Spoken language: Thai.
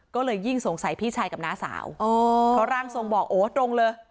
ก็เลยยิ่งสงสัยพี่ชายกับน้าสาวเพราะร่างทรงบอกโอ้ตรงเลย